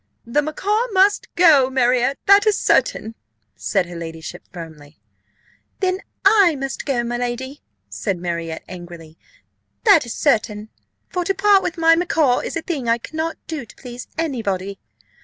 "The macaw must go, Marriott, that is certain," said her ladyship, firmly. "Then I must go, my lady," said Marriott, angrily, "that is certain; for to part with my macaw is a thing I cannot do to please any body."